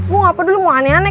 wah apa dulu mau aneh aneh